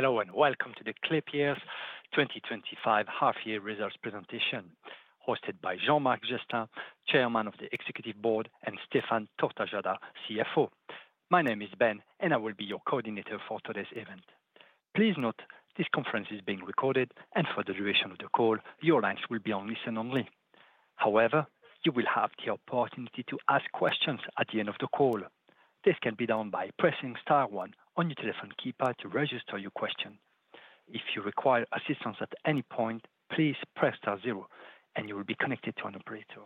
Hello and welcome to the Klépierre 2025 Half Year Results Presentation hosted by Jean-Marc Jestin, Chairman of the Executive Board, and Stéphane Tortajada, CFO. My name is Ben and I will be your coordinator for today's event. Please note this conference is being recorded and for the duration of the call your lines will be on listen only. However, you will have the opportunity to ask questions at the end of the call. This can be done by pressing star 1 on your telephone keypad to register your question. If you require assistance at any point, please press star zero and you will be connected to an operator.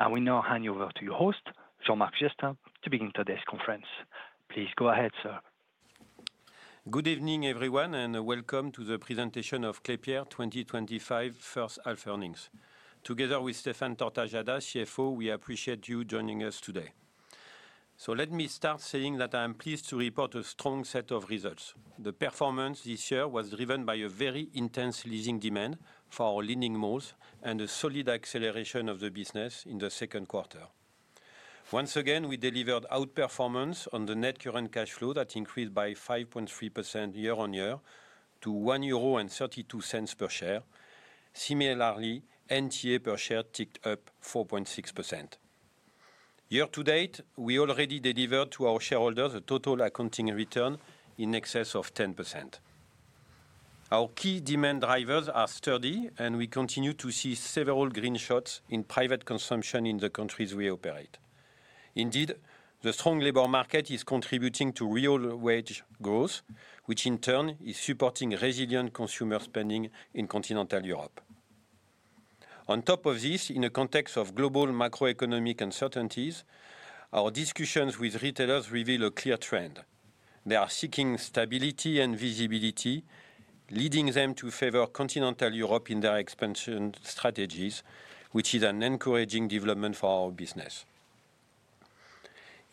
I will now hand you over to your host Jean-Marc Jestin to begin today's conference. Please go ahead sir. Good evening everyone and welcome to the presentation of Klépierre 2025 first half earnings together with Stéphane Tortajada, CFO. We appreciate you joining us today. Let me start saying that I am pleased to report a strong set of results. The performance this year was driven by a very intense leasing demand for our leading malls and a solid acceleration of the business in the second quarter. Once again we delivered outperformance on the net current cash flow that increased by 5.3% year on year to 1.32 euro per share. Similarly, EPRA NTA per share ticked up 4.6% year to date. We already delivered to our shareholders a total accounting return in excess of 10%. Our key demand drivers are sturdy and we continue to see several green shots in private consumption in the countries we operate. Indeed, the strong labor market is contributing to real wage growth, which in turn is supporting resilient consumer spending in Continental Europe. On top of this, in the context of global macroeconomic uncertainties, our discussions with retailers reveal a clear trend. They are seeking stability and visibility leading them to favor Continental Europe in their expansion strategies, which is an encouraging development for our business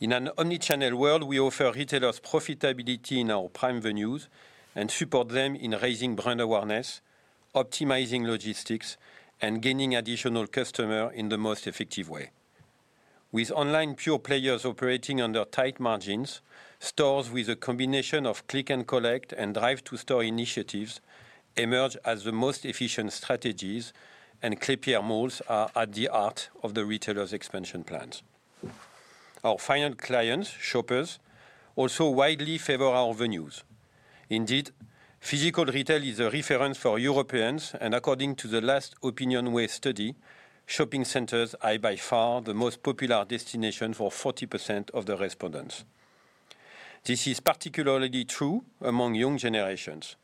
in an omnichannel world. We offer retailers profitability in our prime venues and support them in raising brand awareness, optimizing logistics and gaining additional customers in the most effective way. With online pure players operating under tight margins, stores with a combination of click and collect and drive to store initiatives emerge as the most efficient strategies and Klépierre malls are at the heart of the retailers' expansion plans. Our final clients, shoppers, also widely favor our venues. Indeed, physical retail is a reference for Europeans and according to the last OpinionWay study, shopping centers are by far the most popular destination for 40% of the respondents. This is particularly true among young generations.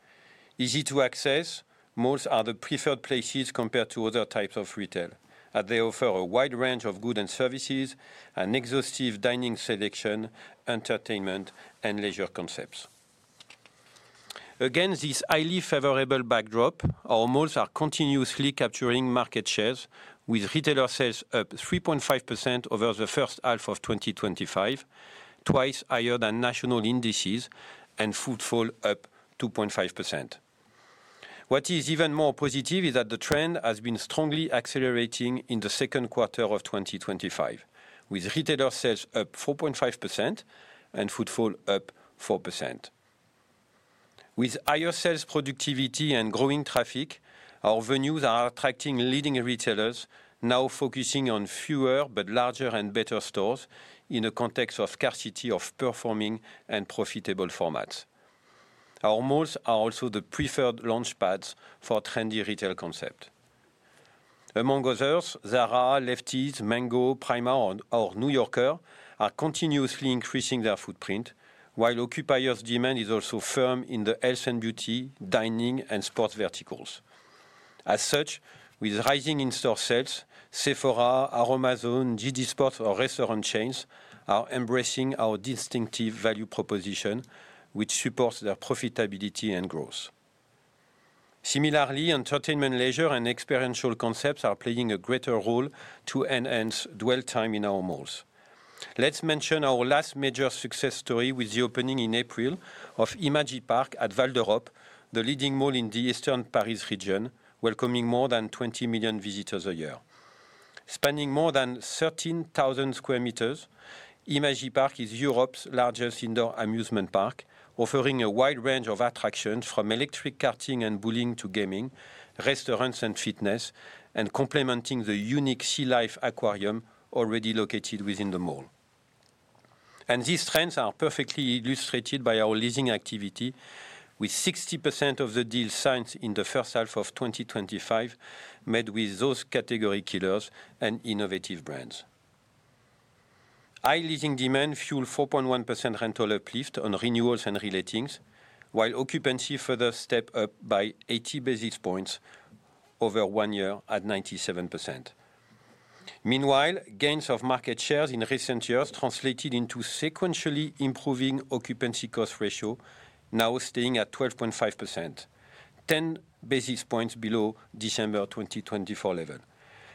Easy to access malls are the preferred places compared to other types of retail as they offer a wide range of goods and services, an exhaustive dining selection and entertainment and leisure concepts. Against this highly favorable backdrop, our malls are continuously capturing market shares with retailer sales up 3.5% over the first half of 2025, twice higher than national indices and footfall up 2.5%. What is even more positive is that the trend has been strongly accelerating in the second quarter of 2025, with retailer sales up 4.5% and footfall up 4%. With higher sales productivity and growing traffic, our venues are attracting leading retailers now focusing on fewer but larger and better stores. In the context of scarcity of performing and profitable formats, our malls are also the preferred launchpads for trendy retail concepts. Among others, Zara, Lefties, Mango, Primark, or New Yorker are continuously increasing their footprint while occupiers' demand is also firm in the health and beauty, dining, and sports verticals. As such, with rising in-store sales, Sephora, Aoma-Zone, JD Sports, or restaurant chains are embracing our distinctive value proposition which supports their profitability and growth. Similarly, entertainment, leisure, and experiential concepts are playing a greater role to enhance dwell time in our malls. Let's mention our last major success story with the opening in April of Imagine Park at Val d'Europe, the leading mall in the eastern Paris region, welcoming more than 20 million visitors a year. Spanning more than 13,000 sq m, Imagine Park is Europe's largest indoor amusement park, offering a wide range of attractions from electric karting and bowling to gaming, restaurants, and fitness, and complementing the unique Sea Life Aquarium already located within the mall. These trends are perfectly illustrated by our leasing activity. With 60% of the deals signed in the first half of 2025 made with those category killers and innovative brands. High leasing demand fueled 4.1% rental uplift on renewals and relettings, while occupancy further stepped up by 80 basis points over one year at 97%. Meanwhile, gains of market shares in recent years translated into sequentially improving occupancy cost ratio, now staying at 12.5%, 10 basis points below December 2024 level.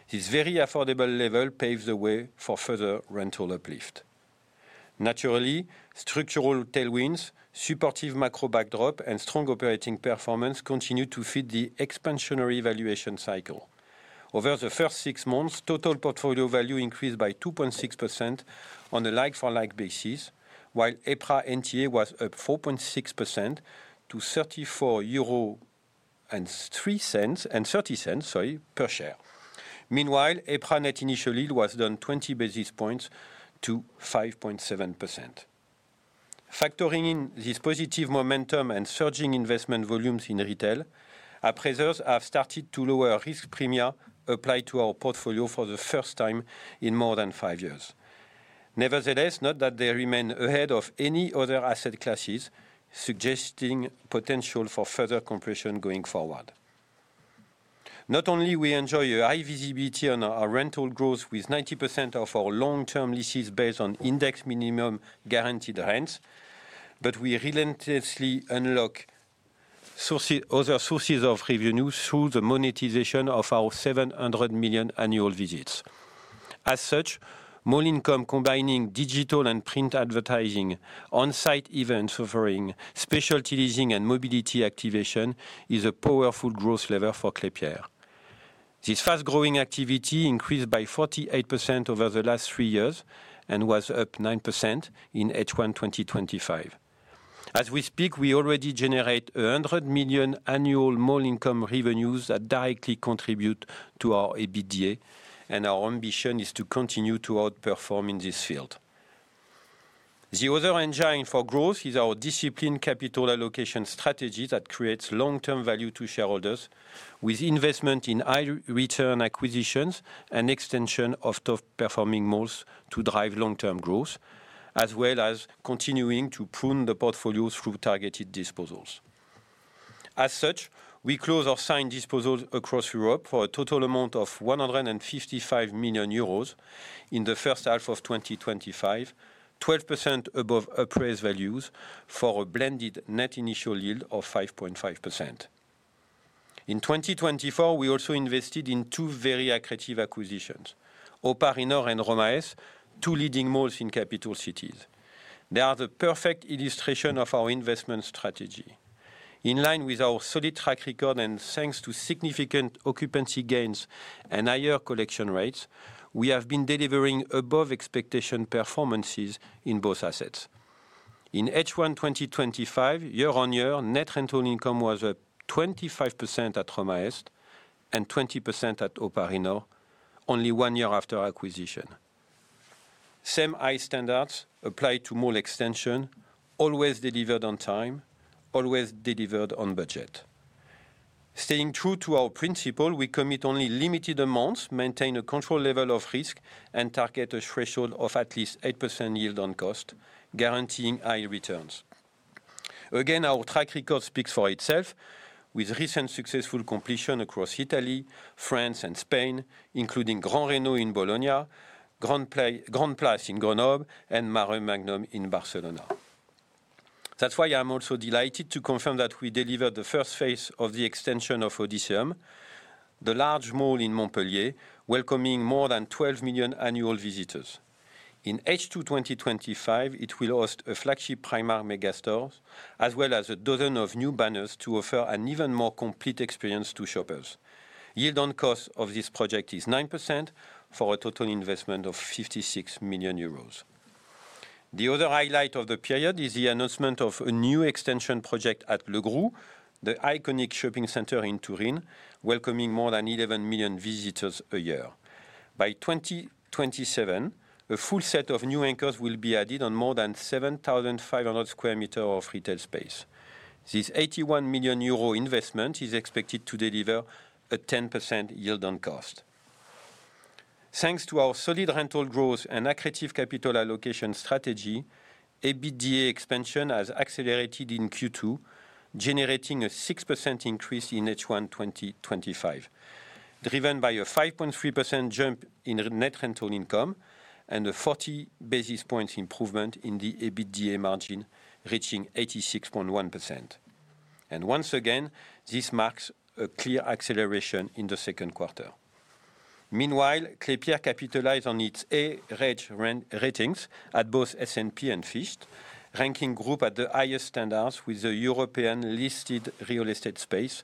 This very affordable level paves the way for further rental uplift. Naturally, structural tailwinds, supportive macro backdrop, and strong operating performance continue to feed the expansionary valuation cycle. Over the first six months, total portfolio value increased by 2.6% on a like-for-like basis, while EPRA NTA was up 4.6% to 34.30 euro per share. Meanwhile, EPRA net initial yield was down 20 basis points to 5.7%. Factoring in this positive momentum and surging investment volumes in retail, appraisers have started to lower risk premia applied to our portfolio for the first time in more than five years. Nevertheless, note that they remain ahead of any other asset classes, suggesting potential for further compression going forward. Not only do we enjoy high visibility on our rental growth with 90% of our long-term leases based on index minimum guaranteed rents, but we relentlessly unlock other sources of revenue through the monetization of our 700 million annual visits. As such, mall income, combining digital and print advertising, on-site events, offering specialty leasing and mall activation, is a powerful growth lever for Klépierre. This fast-growing activity increased by 48% over the last three years and was up 9% in H1 2025. As we speak, we already generate 100 million annual income revenues that directly contribute to our EBITDA, and our ambition is to continue to outperform in this field. The other engine for growth is our disciplined capital allocation strategy that creates long-term value to shareholders with investment in high-return acquisitions and extension of top-performing malls to drive long-term growth, as well as continuing to prune the portfolio through targeted disposals. As such, we closed our signed disposals across Europe for a total amount of 155 million euros in the first half of 2025, 12% above appraised values for a blended net initial yield of 5.5% in 2024. We also invested in two very accretive acquisitions, O'Parinor and RomaEst, two leading malls in capital cities. They are the perfect illustration of our investment strategy in line with our solid track record, and thanks to significant occupancy gains and higher collection rates, we have been delivering above expected performances in both assets in H1 2025. Year on year, net rental income was up 25% at RomaEst and 20% at O'Parinor only one year after acquisition. Same high standards applied to mall extension. Always delivered on time, always delivered on budget. Staying true to our principle, we commit only limited amounts, maintain a controlled level of risk, and target a threshold of at least 8% yield on cost, guaranteeing high returns. Again, our track record speaks for itself with recent successful completion across Italy, France, and Spain, including Le Gru in Bologna, Grand'Place in Grenoble, and Maremagnum in Barcelona. That's why I'm also delighted to confirm that we delivered the first phase of the extension of Odysseum, the large mall in Montpellier welcoming more than 12 million annual visitors in H2 2025. It will host a flagship Primark megastore as well as a dozen of new banners to offer an even more complete experience to shoppers. Yield on cost of this project is 9% for a total investment of 56 million euros. The other highlight of the period is the announcement of a new extension project at Le Gru, the iconic shopping center in Turin welcoming more than 11 million visitors a year. By 2027, a full set of new anchors will be added on more than 7,500 sq m of retail space. This 81 million euro investment is expected to deliver a 10% yield on cost thanks to our solid rental growth and accretive capital allocation strategy. EBITDA expansion has accelerated in Q2 generating a 6% increase in H1 2025 driven by a 5.3% jump in net rental income and a 40 basis points improvement in the EBITDA margin reaching 86.1% and once again this marks a clear acceleration in the second quarter. Meanwhile, Klépierre capitalized on its A rating at both S&P Global Ratings and Fitch ranking group at the highest standards with the European listed real estate space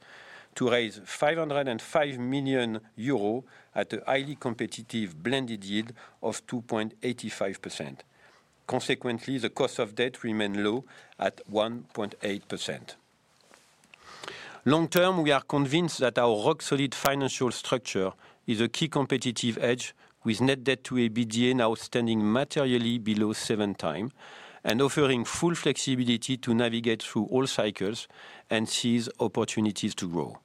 to raise 505 million euro at a highly competitive blended yield of 2.85%. Consequently, the cost of debt remains low at 1.8%. Long term we are convinced that our rock solid financial structure is a key competitive edge with net debt to EBITDA now standing materially below 7x and offering full flexibility to navigate through all cycles and seize opportunities to grow.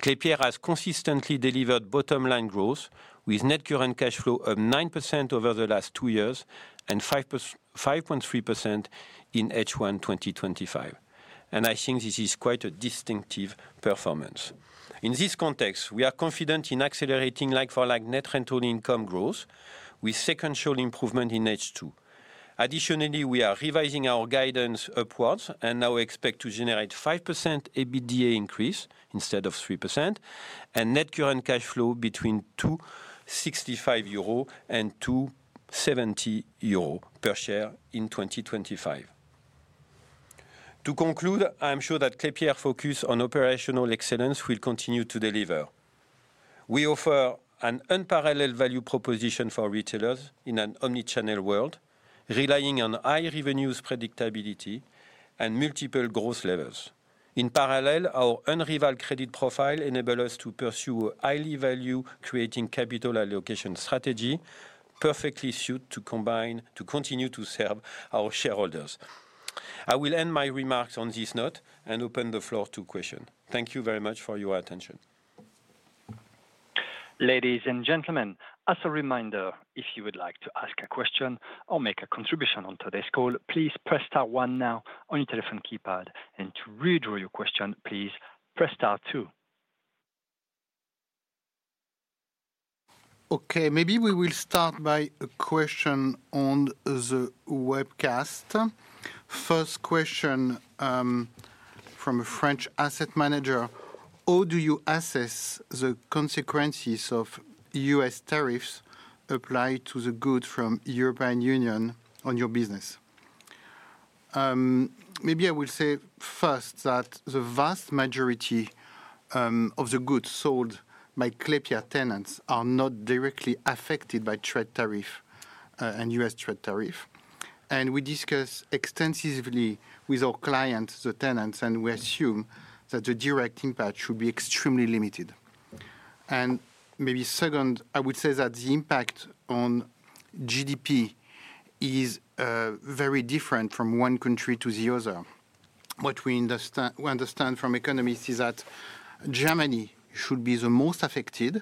Klépierre has consistently delivered bottom line growth with net current cash flow of 9% over the last two years and 5.3% in H1 2025 and I think this is quite a distinctive performance in this context. We are confident in accelerating like-for-like net rental income growth with sequential improvement in H2. Additionally we are revising our guidance upwards and now expect to generate 5% EBITDA increase instead of 3% and net current cash flow between 2.65 euro and 2.70 euro per share in 2025. To conclude, I am sure that Klépierre's focus on operational excellence will continue to deliver. We offer an unparalleled value proposition for retailers in an omnichannel world relying on high revenues, predictability and multiple growth levels. In parallel, our unrivaled credit profile enable us to pursue a highly value creating capital allocation strategy perfectly suited to combine to continue to serve our shareholders. I will end my remarks on this note and open the floor to questions. Thank you very much for your attention. Ladies and gentlemen. As a reminder, if you would like to ask a question or make a contribution on today's call, please press Star 1 now on your telephone keypad. To withdraw your question, please press Star 2. Okay, maybe we will start by a question on the webcast. First question from a French asset manager. How do you assess the consequences of U.S. tariffs applied to the goods from European Union on your business? Maybe I will say first that the vast majority of the goods sold by Klépierre tenants are not directly affected by trade tariff and U.S. trade tariff. We discuss extensively with our clients, the tenants, and we assume that the direct impact should be extremely limited. Maybe second, I would say that the impact on GDP is very different from one country to the other. What we understand from economists is that Germany should be the most affected.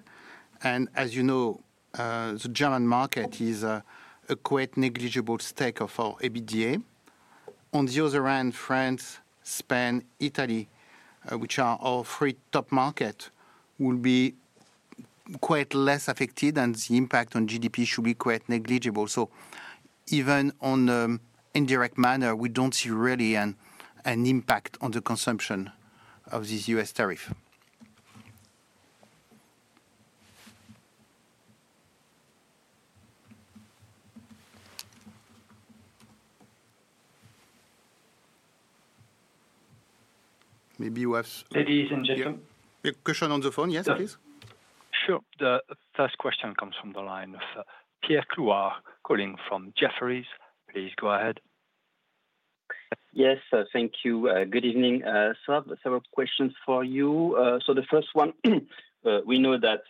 As you know, the German market is a quite negligible stake of our EBITDA. On the other hand, France, Spain, Italy, which are our three top markets, will be quite less affected and the impact on GDP should be quite negligible. Even in an indirect manner we do not see really an impact on the consumption of this U.S. tariff. Maybe we have, ladies and gentlemen, question on the phone. Yes, please. Sure. The first question comes from the line of Pierre Clouard calling from Jefferies. Please go ahead. Yes, thank you. Good evening. Several questions for you. The first one, we know that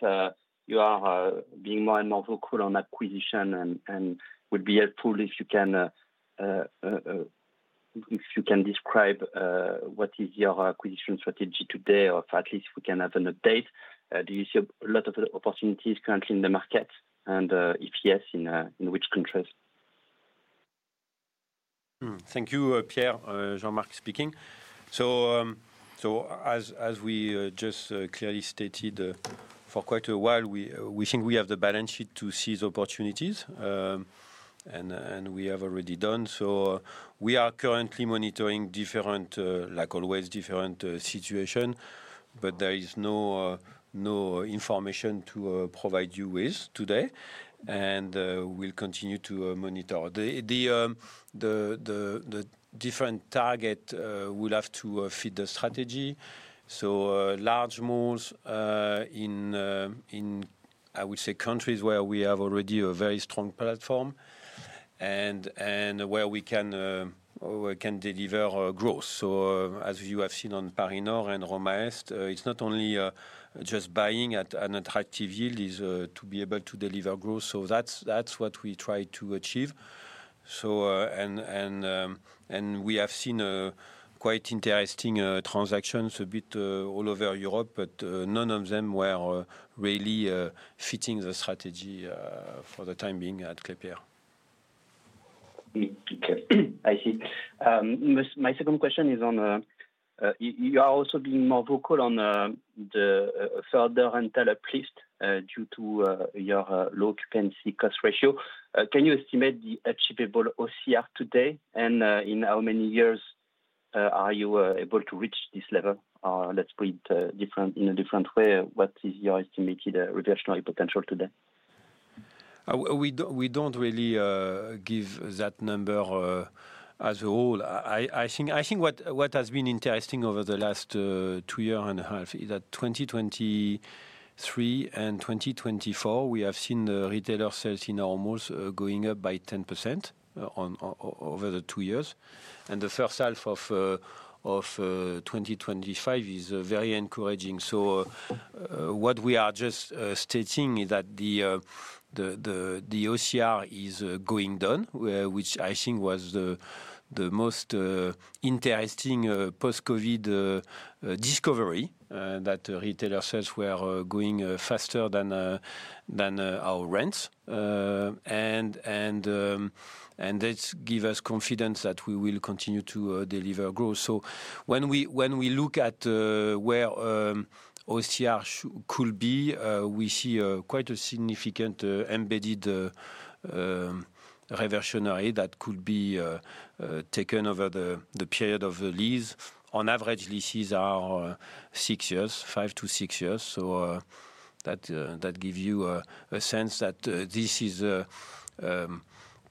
you are being more and more vocal on acquisition and it would be helpful if you can, if you can describe what is your acquisition strategy today or at least we can have an update. Do you see a lot of opportunities currently in the market and if yes, in which countries? Thank you, Pierre. Jean-Marc speaking. As we just clearly stated for quite a while, we think we have the balance sheet to seize opportunities and we have already done so. We are currently monitoring different, like always, different situations. There is no information to provide you with today and we'll continue to monitor. The different target will have to fit the strategy. Large moves in, I would say, countries where we already have a very strong platform and where we can deliver growth. As you have seen on O'Parinor and RomaEst, it's not only just buying at an attractive yield to be able to deliver growth. That's what we try to achieve and we have seen quite interesting transactions a bit all over Europe, but none of them were really fitting the strategy for the time being at Klépierre. I see. My second question is on you are also being more vocal on the further rental uplift due to your low occupancy cost ratio. Can you estimate the achievable OCR today? In how many years are you able to reach this level? Let me put it in a different way. What is your estimated reversionary potential today? We do not really give that number as a rule. I think what has been interesting over the last two and a half years is that in 2023 and 2024 we have seen the retailer sales almost going up by 10% over the two years. The first half of 2025 is very. What we are just stating is that the OCR is going down, which I think was the most interesting post-Covid discovery, that retailer sales were going faster than our rents. This gives us confidence that we will continue to deliver growth. When we look at where OCR could be, we see quite a significant embedded reversionary that could be taken over the period of the lease. On average, leases are five to six years. That gives you a sense that this is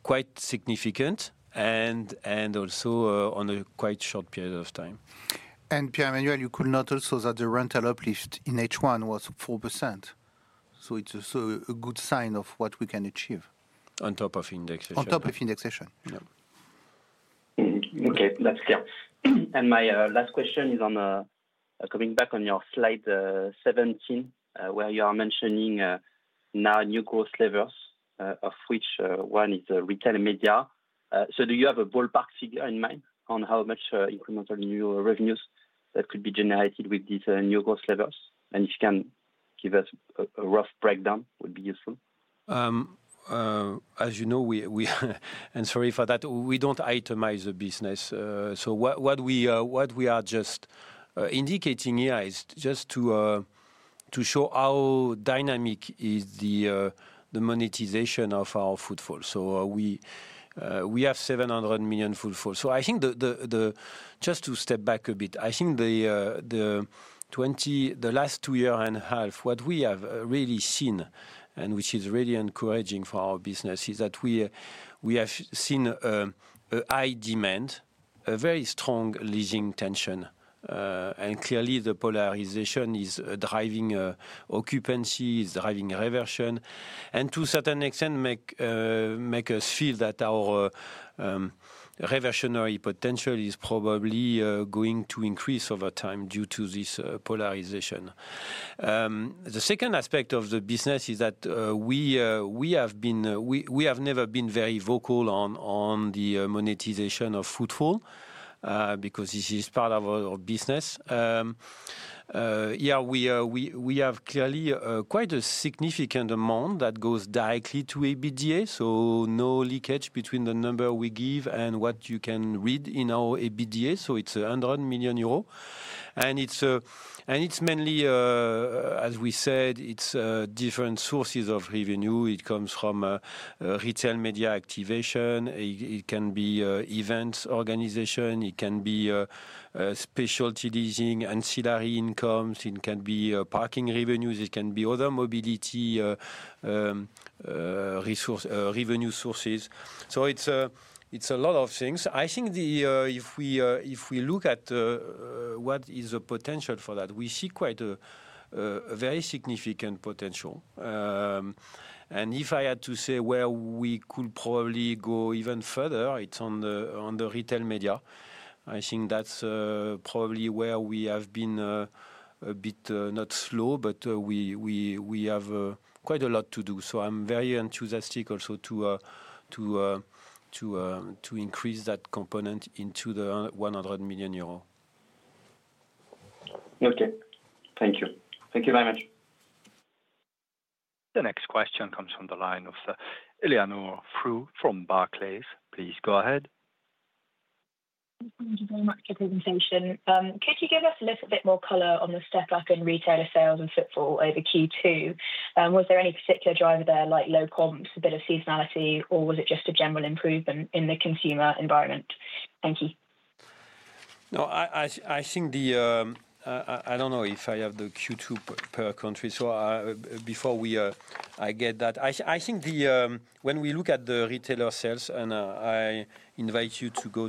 quite significant and also over quite a short period of time. Pierre, you could note also that the rental uplift in H1 was 4%. It is also a good sign of what we can achieve. On top of indexation. On top of indexation. Okay, that's fair. My last question is on coming back on your slide 17 where you are mentioning now new growth levers of which one is retail media. Do you have a ballpark figure in mind on how much incremental new revenues that could be generated with these new growth levers and if you can give us a rough breakdown would be useful. As you know and sorry for that we do not itemize the business. What we are just indicating here is just to show how dynamic is the monetization of our footfall. We have 700 million footfalls. I think just to step back a bit, I think the last two and a half years, what we have really seen and which is really encouraging for our business is that we have seen a demand, a very strong leasing tension and clearly the polarization is driving occupancy, is driving reversion and to a certain extent makes us feel that our reversionary potential is probably going to increase over time due to this polarity. The second aspect of the business is that we have never been very vocal on the monetization of footfall because this is part of our business. We have clearly quite a significant amount that goes directly to EBITDA. No leakage between the number we give and what you can read in our EBITDA. It is 100 million euros. It is mainly, as we said, different sources of revenue. It comes from retail media activation. It can be events organization, it can be specialty leasing, ancillary income, it can be parking revenues, it can be other mobility resource revenue sources. It is a lot of things. I think if we look at what is the potential for that, we see quite a very significant potential. If I had to say, we could probably go even further. It is on the retail media. I think that is probably where we have been a bit, not slow, but we have quite a lot to do. I am very enthusiastic also to increase that component into the 100 million euro. Okay, thank you. Thank you very much. The next question comes from the line of Eleanor Frew from Barclays. Please go ahead. Thank you very much for the presentation. Could you give us a little bit more color on the step up in retailer sales and footfall over Q2? Was there any particular driver there like low comps, a bit of seasonality or was it just a general improvement in the consumer environment? Thank you. No, I think the. I don't know if I have the Q2 per country. So before we, I get that, I think when we look at the retailer sales and I invite you to go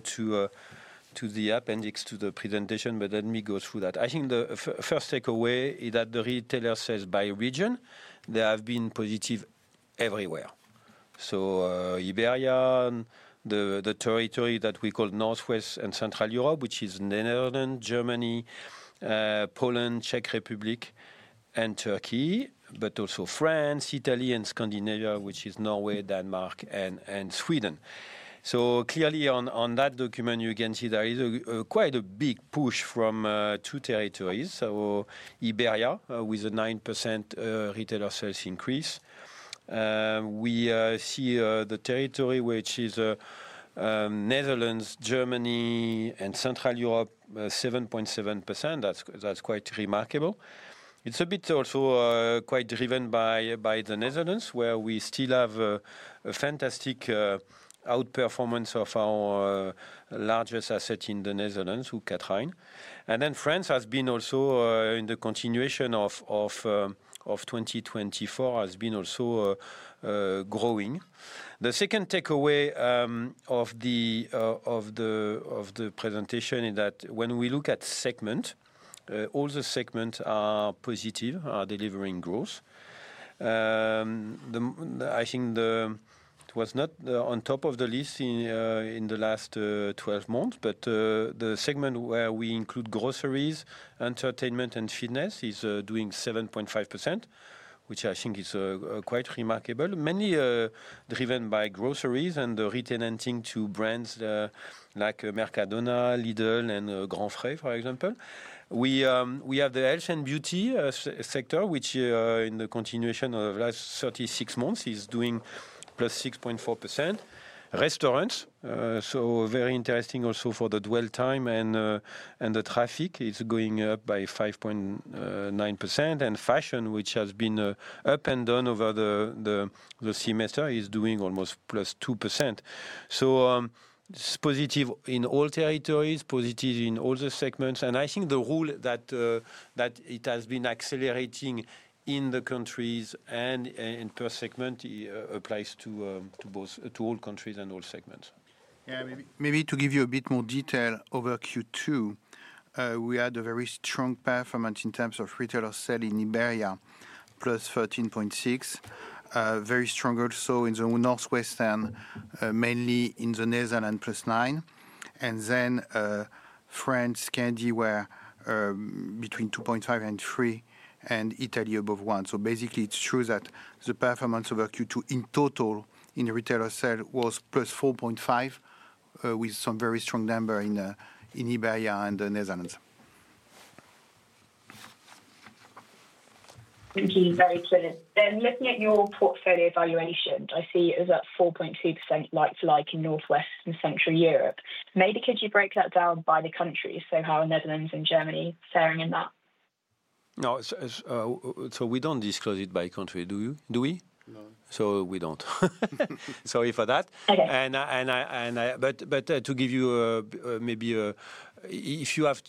to the appendix to the presentation but let me go through that. I think the first takeaway is that the retailer sales by region there have been positive everywhere. Iberia, the territory that we call northwest and Central Europe, which is Netherlands, Germany, Poland, Czech Republic and Turkey, but also France, Italy and Scandinavia, which is Norway, Denmark and Sweden. Clearly on that document you can see there is quite a big push from two territories. Iberia with a 9% retailer sales increase. We see the territory which is Netherlands, Germany and Central Europe, 7.7%. That's quite remarkable. It's a bit also quite driven by the Netherlands where we still have a fantastic outperformance of our largest asset in the Netherlands, Hoog Catharijne, and then France has been also in the continuation of 2024 has been also growing. The second takeaway of the presentation is that when we look at segment all the segments are positive, are delivering growth. I think it was not on top of the list in the last 12 months. The segment where we include groceries, entertainment and fitness is doing 7.5% which I think is quite remarkable. Mainly driven by groceries and retenanting to brands like Mercadona, Lidl and Grandfre for example, we have the health and beauty sector which in the continuation of last 36 months is doing +6.4%. Restaurants, so very interesting also for the dwell time and the traffic, is going up by 5.9%. Fashion, which has been up and down over the semester, is doing almost +2%. Positive in all territories, positive in all the segments. I think the rule that it has been accelerating in the countries and per segment applies to both to all countries and all segments. Maybe to give you a bit more detail over Q2, we had a very strong performance in terms of retailer sale in Iberia, +13.6%, very strong. Also in the Northwestern, mainly in the Netherlands, +9%, and then France Scandi were between 2.5% and 3%, and Italy above 1%. Basically, it is true that the performance of Q2 in total in retailer sale was +4.5% with some very strong number in Iberia and the Netherlands. Thank you. Very clear. Looking at your portfolio valuation, I see it is at 4.2% like for like in Northwest and Central Europe. Could you break that down by country? How are Netherlands and Germany faring in that? No. We do not disclose it by country, do we? No, we do not. Sorry for that. To give you maybe, if you have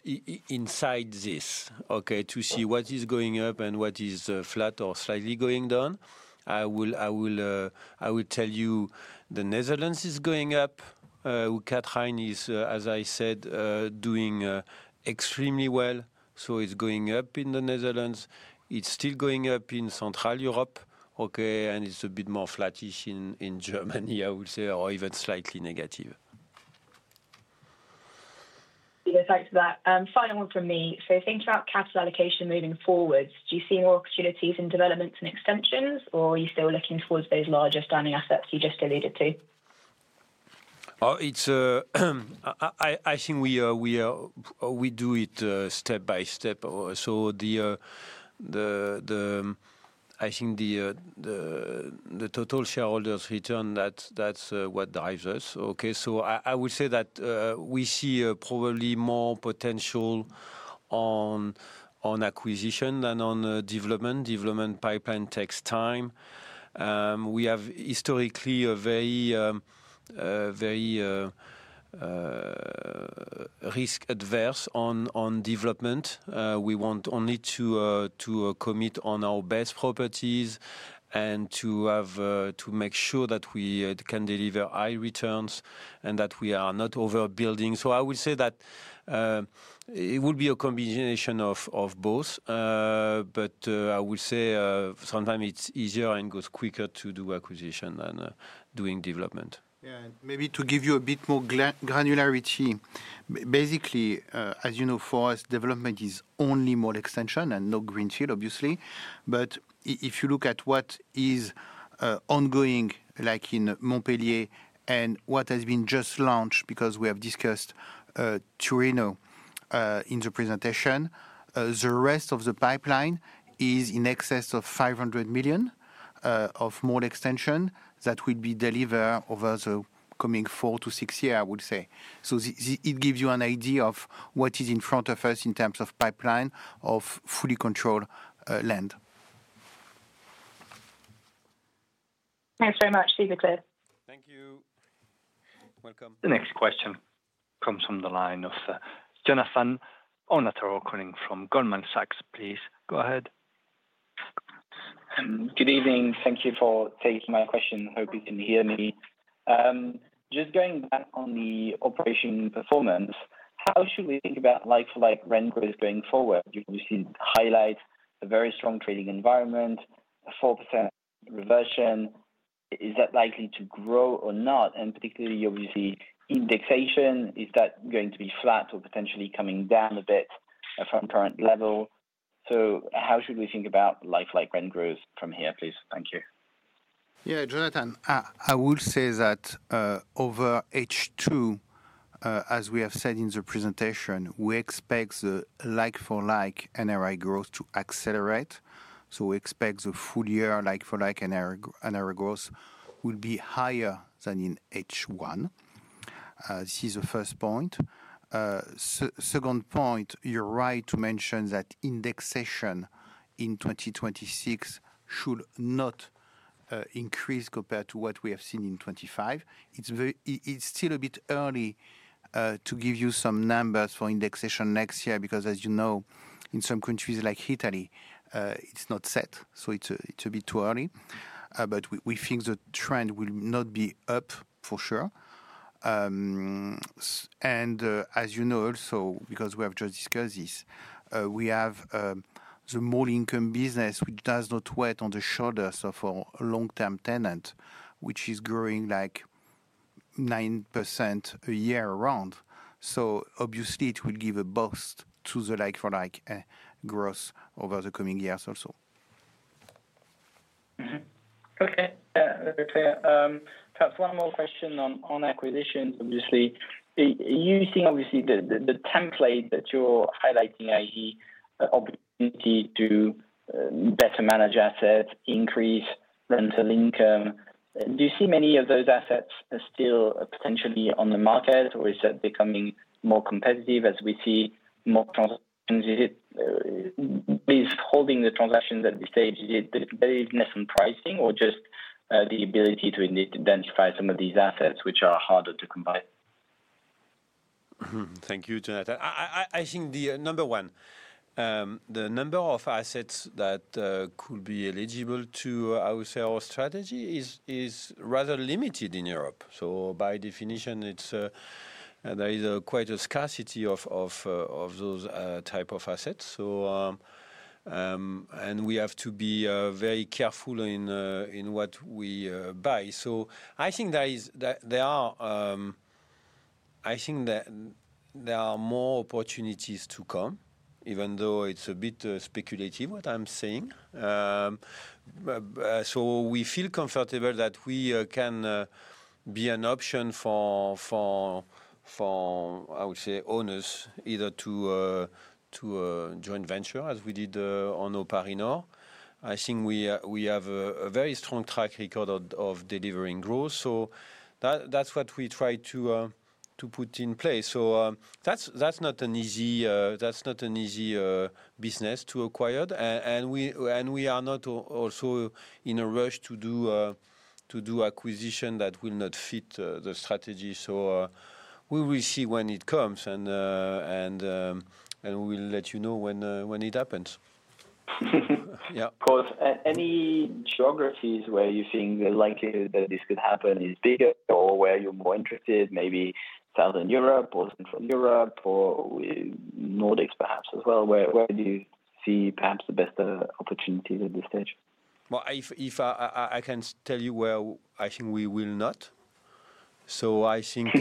insight into this, to see what is going up and what is flat or slightly going down, I will tell you the Netherlands is going up. Catharijne is, as I said, doing extremely well. It is going up in the Netherlands, it is still going up in Central Europe, and it is a bit more flattish in Germany, I would say, or even slightly negative. Thanks for that. Final one from me. So think about capital allocation moving forwards. Do you see more opportunities in developments and extensions or are you still looking towards those larger standing assets you just alluded to? I think we do it step by step. I think the total shareholders return, that's what drives us. I would say that we see probably more potential on acquisition than on development. Development pipeline takes time. We have historically been very, very risk averse on development. We want only to commit on our best properties and to have, can deliver high returns and that we are not overbuilding. I would say that it would be a combination of both. I would say sometimes it's easier and goes quicker to do acquisition than doing development. Maybe to give you a bit more granularity, basically, as you know, for us development is only mall extension and no greenfield obviously. If you look at what is ongoing like in Montpellier and what has been just launched, because we have discussed Torino in the presentation, the rest of the pipeline is in excess of 500 million of mall extension that will be delivered over the coming four to six years, I would say. It gives you an idea of what is in front of us in terms of pipeline of fully controlled land. Thanks very much, super clear. Thank you. Welcome. The next question comes from the line of Jonathan Kownatorcalling from Goldman Sachs. Please go ahead. Good evening. Thank you for taking my question. Hope you can hear me. Just going back on the operation performance, how should we think about like-for-like rent growth going forward? You see highlights a very strong trading environment, 4% reversion, is that likely to grow or not? Particularly obviously indexation, is that going to be flat or potentially coming down a bit from current level? How should we think about like-for-like rent growth from here please? Thank you. Yeah, Jonathan, I would say that over H2 as we have said in the presentation, we expect the like-for-like NRI growth to accelerate. We expect the full year like-for-like NRI growth will be higher than in H1. This is the first point. Second point, you're right to mention that indexation in 2026 should not increase compared to what we have seen in 2025. It's still a bit early to give you some numbers for indexation next year because as you know in some countries like Italy, it's not set, so it's a bit too early. We think the trend will not be up for sure. As you know also because we have just discussed this, we have the more income business which does not weigh on the shoulders of a long-term tenant which is growing like 9% a year round. Obviously it will give a boost to the like-for-like growth over the coming years also. Okay, perhaps one more question on acquisitions. Obviously using obviously the template that you're highlighting, i.e. opportunity to better manage assets, increase rental income. Do you see many of those assets still potentially on the market or is that becoming more competitive as we see holding the transactions at this stage? Is it pricing or just the ability to identify some of these assets which are harder to combine? Thank you, Jonathan. I think, number one, the number of assets that could be eligible to, I would say, our strategy is rather limited in Europe. By definition, there is quite a scarcity of those type of assets. We have to be very careful in what we buy. I think there are more opportunities to come, even though it's a bit speculative what I'm saying. We feel comfortable that we can be an option for, I would say, owners either to joint venture as we did on O'Parinor. I think we have a very strong track record of delivering growth. That's what we try to put in place. That's not an easy business to acquire, and we are not also in a rush to do acquisition that will not fit the strategy. We will see when it comes, and we'll let you know when it happens. Any geographies where you think the likelihood that this could happen is bigger or where you're more interested? Maybe Southern Europe or Central Europe or Nordics perhaps as well. Where do you see perhaps the best opportunities at this stage? If I can tell you where, I think we will not. I think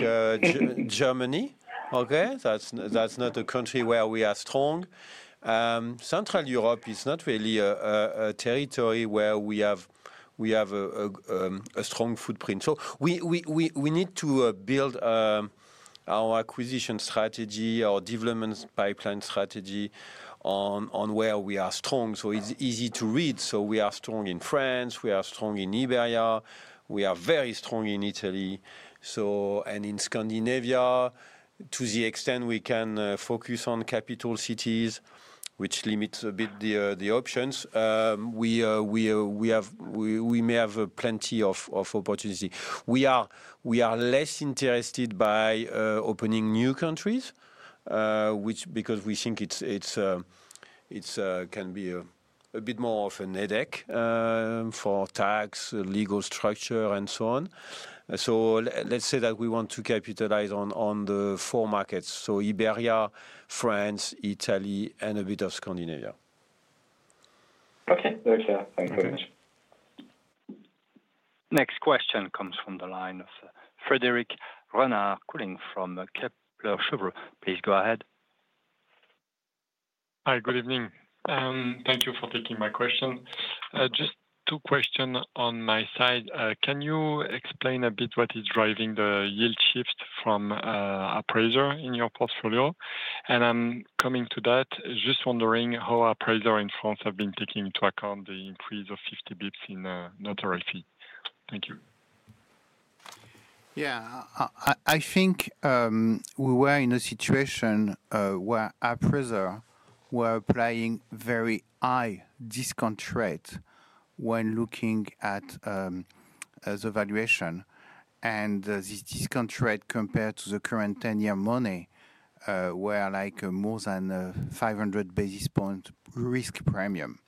Germany. Okay. That is not a country where we are strong. Central Europe is not really a territory where we have a strong footprint. We need to build our acquisition strategy, our development pipeline strategy on where we are strong. It is easy to read. We are strong in France, we are strong in Iberia, we are very strong in Italy and in Scandinavia. To the extent we can focus on capital cities, which limits a bit the options, we may have plenty of opportunity. We are less interested by opening new countries because we think it can be a bit more of a headache for tax, legal structure and so on. Let's say that we want to capitalize on the four markets. Iberia, France, Italy and a bit of Scandinavia. Okay, thank you very much. Next question comes from the line of Frédéric Renard from Kepler Cheuvreux. Please go ahead. Hi, good evening. Thank you for taking my question. Just two questions on my side. Can you explain a bit what is driving the yield shift from appraiser in your portfolio? I am coming to that. Just wondering how appraiser in France have been taking into account the increase of 50 basis points in notary fee. Thank you. Yeah, I think we were in a situation where appraisers were applying very high discount rate when looking at the valuation and this discount rate compared to the current 10 year money were like more than 500 basis points risk premium.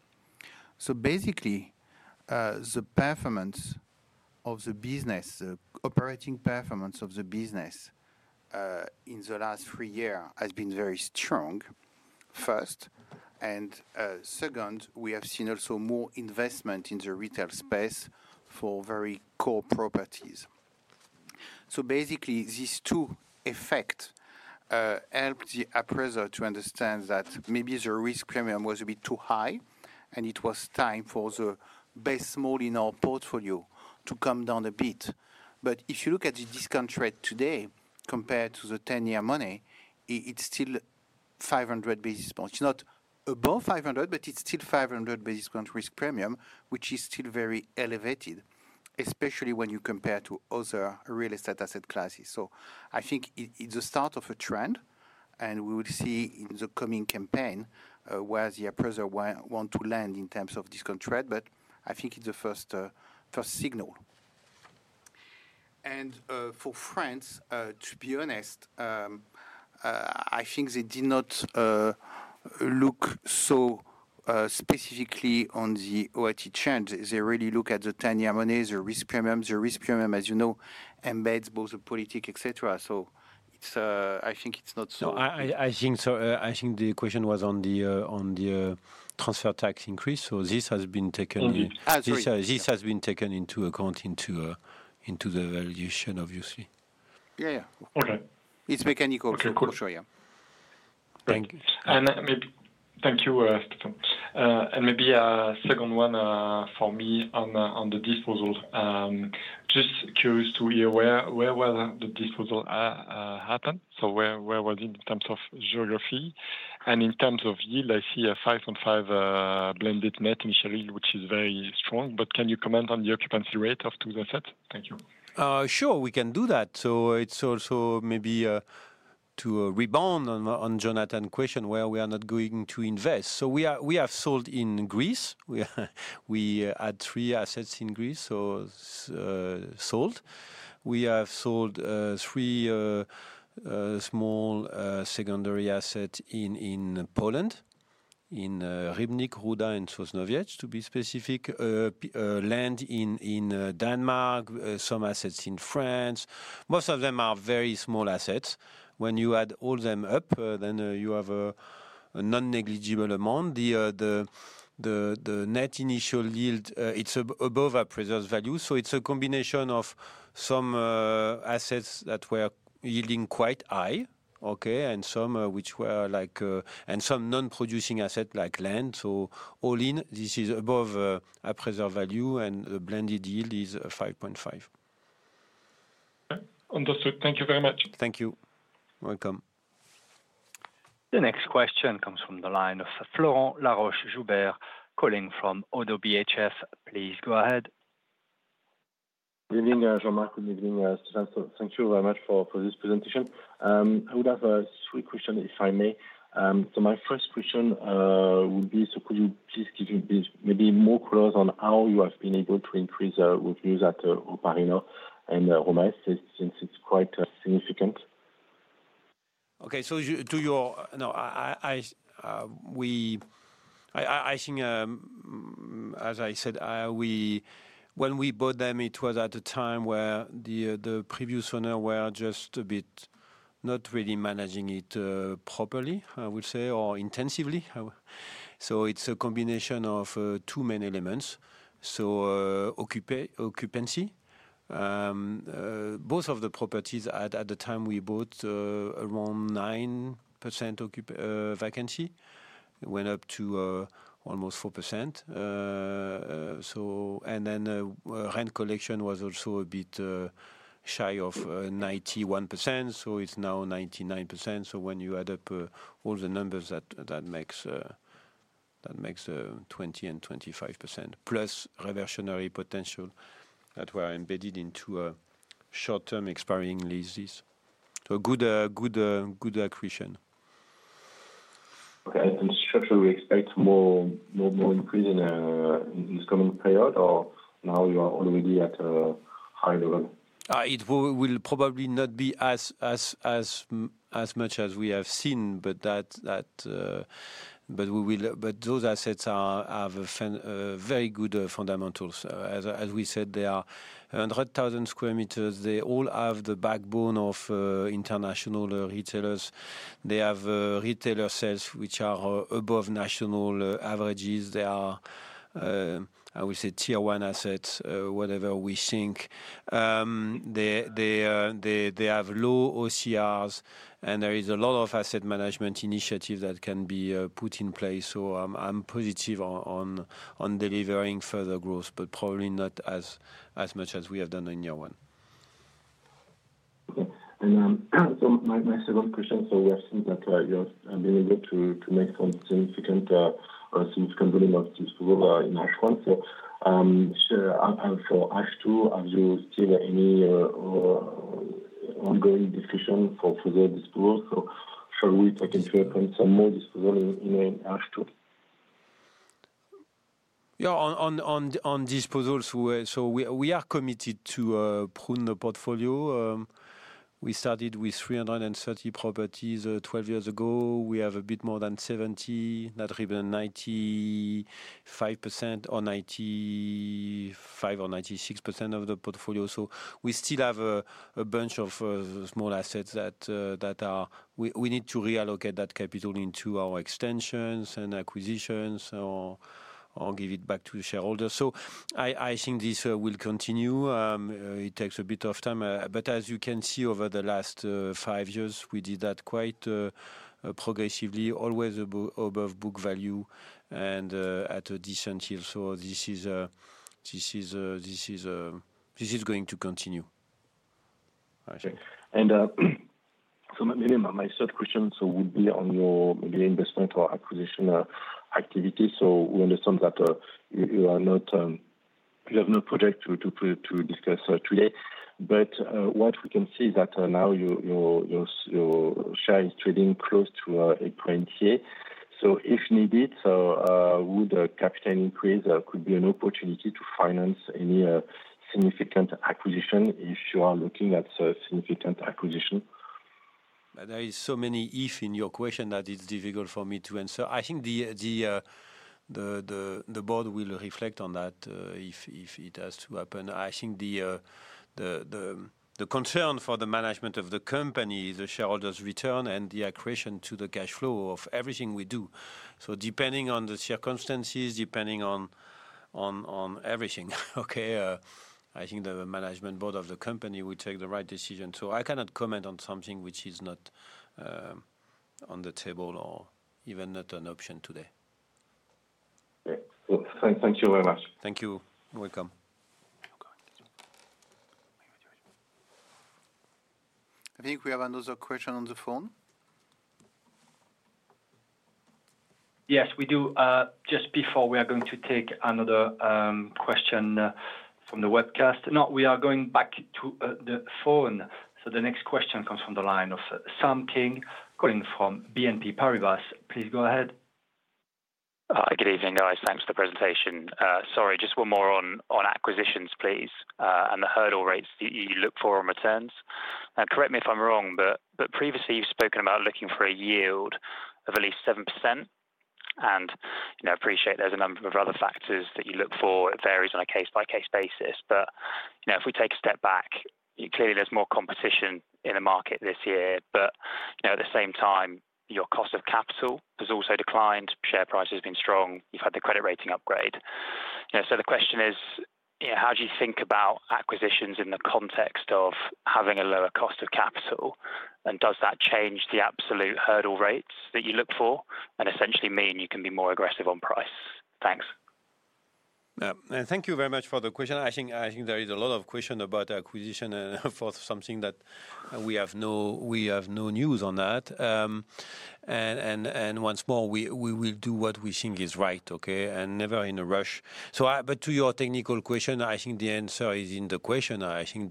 Basically the performance of the business, operating performance of the business in the last three years has been very strong. First and second we have seen also more investment in the retail space for very core property. Basically these two effects helped the appraisers to understand that maybe the risk premium was a bit too high and it was time for the best model in our portfolio to come down a bit. If you look at the discount rate today compared to the 10 year money, it's still 500 basis points. It's not above 500 but it's still 500 basis points risk premium which is still very elevated especially when you compare to other real estate asset classes. I think it's the start of a trend and we will see in the coming campaign where the appraisers want to land in terms of discount rate but I think it's the first signal and for France, to be honest, I think they did not look so specifically on the OAT change. They really look at the 10-year money. The risk premium. The risk premium as you know embeds both the politics, etc. So it's. I think it's not. I think the question was on the transfer tax increase. This has been taken into account into the valuation obviously. Yeah, yeah. Okay. It's mechanical. Thank you. Thank you. Maybe a second one for me on the disposal. Just curious to hear where the disposal happened. Where was it in terms of geography and in terms of yield? I see a 5.5% blended net initial, which is very strong. Can you comment on the occupancy rate of the two assets? Thank you. Sure, we can do that. It's also maybe to rebound on Jonathan question where we are not going to invest. We have sold in Greece, we had three assets in Greece sold. We have sold three small secondary assets in Poland in Rybnik, Ruda, and Sosnowiec to be specific, land in Denmark, some assets in France. Most of them are very small assets. When you add all them up, then you have a non-negligible amount. The net initial yield, it's above appraiser value. It's a combination of some assets that were yielding quite high, okay, and some which were like, and some non-producing assets like land. All in, this is above appraiser value and the blended yield is 5.5%. Understood. Thank you very much. Thank you. Welcome. The next question comes from the line of Florent Laroche-Joubert calling from ODDO BHF. Please go ahead. Good evening, Jean-Marc. Thank you very much for this presentation. I would have three questions if I may. My first question would be, could you please give maybe more colors on how you have been able to increase revenues at O'Parinor and RomaEst since it's quite significant. Okay. To your, no, we, I think as I said when we bought them, it was at a time where the previous owner were just a bit, not really managing it properly, I would say, or intensively. It is a combination of two main elements. Occupancy, both of the properties at the time we bought, around 9% vacancy, it went up to almost 4%. Rent collection was also a bit shy of 91%, so it is now 99%. When you add up all the numbers, that makes 20%-25% plus reversionary potential that were embedded into short term expiring leases. Good accretion. Okay. We expect more increase in this coming period or now? You are already at a high level. It will probably not be as much as we have seen, but those assets have very good fundamentals. As we said, they are 100,000 sq m. They all have the backbone of international retailers. They have retailer sales which are above national averages. They are, I would say, tier one assets. Whatever we think, they have low OCRs and there is a lot of asset management initiatives that can be put in place. I am positive on delivering further growth but probably not as much as we have done in year one. Okay. And my second question. We have seen that you have been able to make some significant or significant use in AFGH one. For act two, have you seen any ongoing discussion for further disposal? Shall we take into account some more disposal in ashtray? Yeah, on disposals. We are committed to prune the portfolio. We started with 330 properties 12 years ago. We have a bit more than 70, not even 95% or 95% or 96% of the portfolio. We still have a bunch of small assets that we need to reallocate that capital into our extensions and acquisitions or give it back to the shareholders. I think this will continue. It takes a bit of time, but as you can see over the last five years we did that quite progressively. Always above book value and at a decent yield. This is going to continue. Maybe my third question would be on your investment or acquisition activity. We understand that you are not, you have no project to discuss today. What we can see is that now your share is trading close to a point here. If needed, would a capital increase be an opportunity to finance any significant acquisition if you are looking at significant acquisition? There are so many if in your question that it's difficult for me to answer. I think the board will reflect on that if it has to happen. I think the concern for the management of the company, the shareholders' return, and the accretion to the cash flow of everything we do. Depending on the circumstances, depending on everything. Okay. I think the management board of the company will take the right decision. I cannot comment on something which is not on the table or even not an option today. Thank you very much. Thank you. You're welcome. I think we have another question on the phone. Yes, we do. Just before, we are going to take another question from the webcast. No, we are going back to the phone. The next question comes from the line of Sam King calling from BNP Paribas. Please go ahead. Good evening, guys. Thanks for the presentation. Sorry, just one more on acquisitions, please, and the hurdle rates that you look for on returns. Now, correct me if I am wrong, but previously you have spoken about looking for a yield of at least 7%, and I appreciate there are a number of other factors that you look for. It varies on a case-by-case basis. If we take a step back, clearly there is more competition in the market this year. At the same time, your cost of capital has also declined. Share price has been strong. You have had the credit rating upgrade. The question is how do you think about acquisitions in the context of having a lower cost of capital? Does that change the absolute hurdle rates that you look for and essentially mean you can be more aggressive on price? Thanks. Thank you very much for the question. I think there is a lot of question about acquisition and for something that we have no news on that. Once more, we will do what we think is right. Okay. Never in a rush. To your technical question, I think the answer is in the question. I think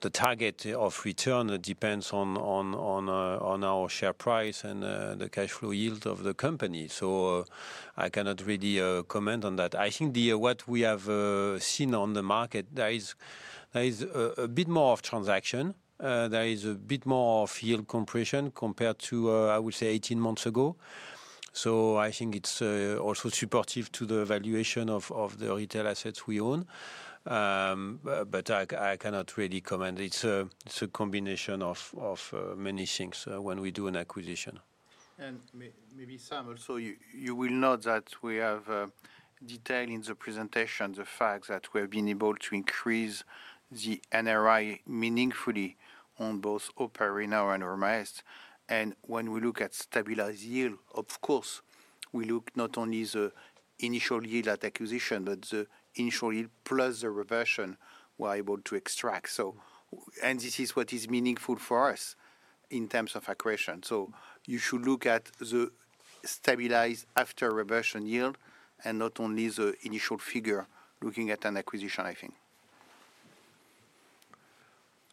the target of return depends on our share price and the cash flow yield of the company. I cannot really comment on that. I think what we have seen on the market, there is a bit more of transaction, there is a bit more yield compression compared to, I would say, 18 months ago. I think it is also supportive to the valuation of the retail assets we own. I cannot really comment. It is a combination of many things when we do an acquisition. Maybe Sam, also you will note that we have detailed in the presentation the fact that we have been able to increase the NRI meaningfully on both O'Parinor and RomaEst. When we look at stabilized yield, of course we look not only at the initial yield at acquisition, but the initial yield plus the reversion we are able to extract. This is what is meaningful for us in terms of accretion. You should look at the stabilized after reversion yield and not only the initial figure. Looking at an acquisition, I think.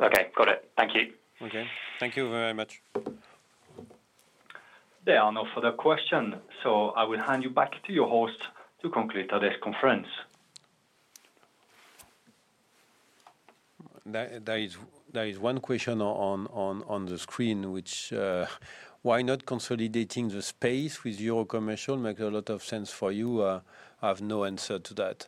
Okay, got it. Thank you. Okay, thank you very much. There are no further questions, so I will hand you back to your host to conclude today's conference. There is one question on the screen which why not consolidating the space with Eurocommercial makes a lot of sense for you. I have no answer to that.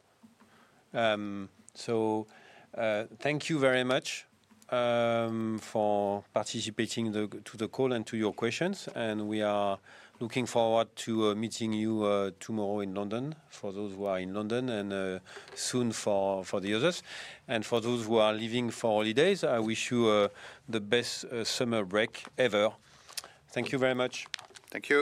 Thank you very much for participating to the call and to your questions, and we are looking forward to meeting you tomorrow in London. For those who are in London and soon for the others, and for those who are leaving for holidays, I wish you the best summer break ever. Thank you very much. Thank you.